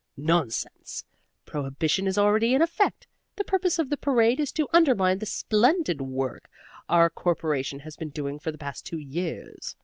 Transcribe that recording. Nonsense! Prohibition is already in effect. The purpose of the parade is to undermine the splendid work our Corporation has been doing for the past two years.